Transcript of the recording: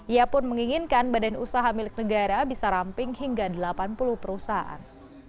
ia pun menginginkan badan usaha milik negara bisa ramping hingga delapan puluh perusahaan